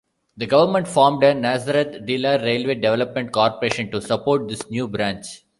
The government formed a Nazareth-Dilla Railway Development Corporation to support this new branch.